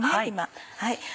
今。